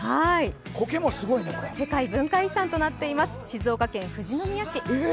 世界文化遺産となっています、静岡県富士宮市。